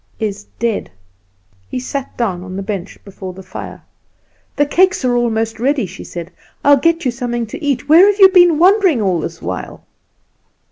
"Is dead." He sat down on the bench before the fire. "The cakes are almost ready," she said; "I will get you something to eat. Where have you been wandering all this while?"